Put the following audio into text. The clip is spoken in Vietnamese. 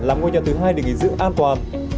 làm ngôi nhà thứ hai để nghỉ dưỡng an toàn